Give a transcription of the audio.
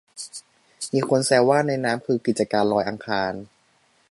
มีคนแซวว่า ในน้ำคือกิจการลอยอังคาร